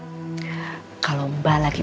mbak kalau mbak lagi